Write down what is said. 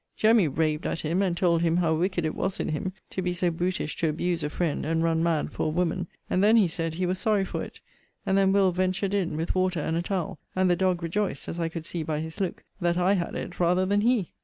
Jemmy raved at him, and told him, how wicked it was in him, to be so brutish to abuse a friend, and run mad for a woman. And then he said he was sorry for it; and then Will. ventured in with water and a towel; and the dog rejoiced, as I could see by his look, that I had it rather than he.